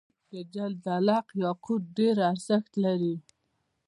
د جګدلک یاقوت ډیر ارزښت لري